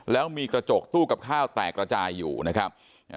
แล้วมีกระจกตู้กับข้าวแตกระจายอยู่นะครับ